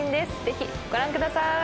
ぜひご覧くださーい。